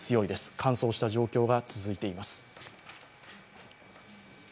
乾燥した状況が続いています。